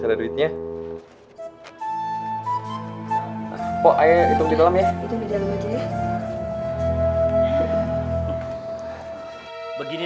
ruk tolong periksa deh